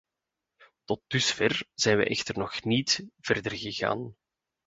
Tot dusver zijn wij echter nog niet verder gegaan.